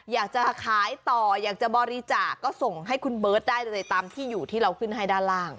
อยากจะขายต่ออยากจะบริจาคก็ส่งให้คุณเบิร์ตได้เลยตามที่อยู่ที่เราขึ้นให้ด้านล่าง